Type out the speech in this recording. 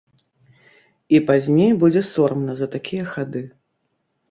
І пазней будзе сорамна за такія хады.